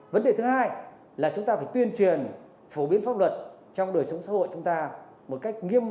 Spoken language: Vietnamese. vấn đề thứ hai là chúng ta phải tuyên truyền phổ biến pháp luật trong đời sống